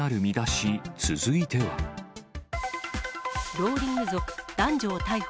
ローリング族男女を逮捕。